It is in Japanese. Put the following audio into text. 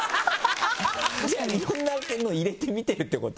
じゃあ、いろんなの入れて見てるってこと？